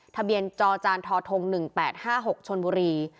ทะเบียนจจธ๑๘๕๖ชนบุรี